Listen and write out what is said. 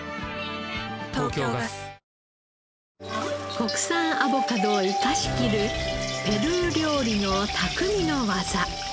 国産アボカドを生かしきるペルー料理の匠の技。